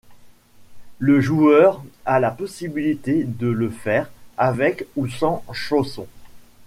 Le joueur a la possibilité de le faire avec ou sans chausson.